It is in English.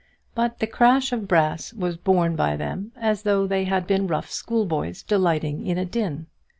But the crash of brass was borne by them as though they had been rough schoolboys delighting in a din.